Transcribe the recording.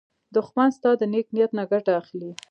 دښمن ستا د نېک نیت نه ګټه اخلي